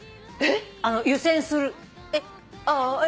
湯煎する。